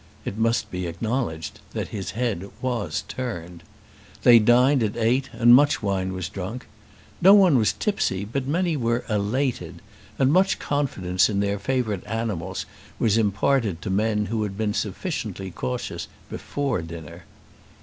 It must be acknowledged that his head was turned. They dined at eight and much wine was drunk. No one was tipsy, but many were elated; and much confidence in their favourite animals was imparted to men who had been sufficiently cautious before dinner.